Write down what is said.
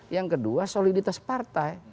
yang kedua soliditas partai